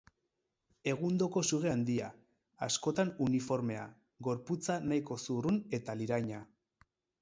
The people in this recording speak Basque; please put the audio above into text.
Egundoko suge handia, askotan uniformea, gorputza nahiko zurrun eta liraina.